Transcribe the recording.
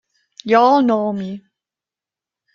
You all know me!